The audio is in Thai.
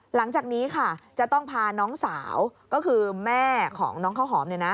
หลังจากนี้ค่ะจะต้องพาน้องสาวก็คือแม่ของน้องข้าวหอม